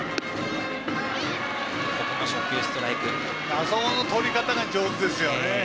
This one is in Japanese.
あそこの取り方が上手ですよね。